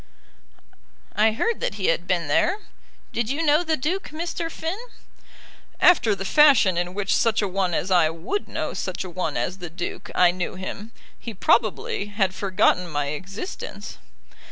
"I heard that he had been there. Did you know the Duke, Mr. Finn?" "After the fashion in which such a one as I would know such a one as the Duke, I knew him. He probably had forgotten my existence."